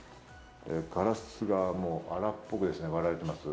ガラスが荒っぽくですね、割られています。